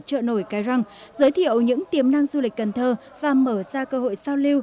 trợ nổi cái răng giới thiệu những tiềm năng du lịch cần thơ và mở ra cơ hội giao lưu